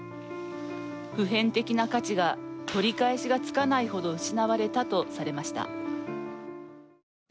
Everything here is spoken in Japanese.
普遍的な価値が取り返しがつかないほど失われたとされました。